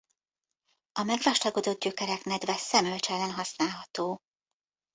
A megvastagodott gyökerek nedve szemölcs ellen használható.